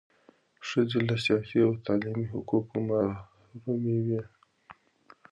ښځې له سیاسي او تعلیمي حقوقو محرومې وې.